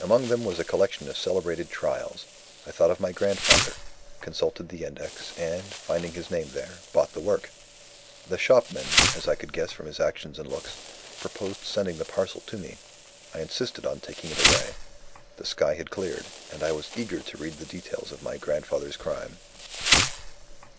"Among them was a collection of celebrated Trials. I thought of my grandfather; consulted the index; and, finding his name there, bought the work. The shopman (as I could guess from his actions and looks) proposed sending the parcel to me. I insisted on taking it away. The sky had cleared; and I was eager to read the details of my grandfather's crime.